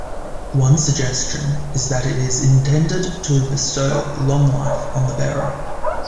One suggestion is that it is intended to bestow long life on the bearer.